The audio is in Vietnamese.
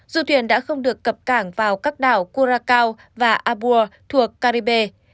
du thuyền đã không được cập cảng vào các đảo curacao và abur thuộc caribbean